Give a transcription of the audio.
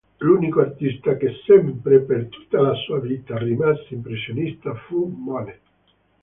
L'unico artista che sempre, per tutta la sua vita, rimase impressionista fu Monet.